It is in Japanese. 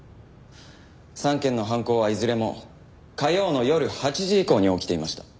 ３件の犯行はいずれも火曜の夜８時以降に起きていました。